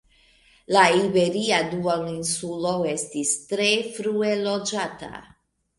La iberia duoninsulo estis tre frue loĝata.